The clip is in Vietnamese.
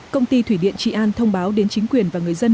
công ty thủy điện trị an thông báo đến chính quyền và người dân